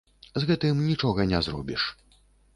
З гэтым нічога не зробіш.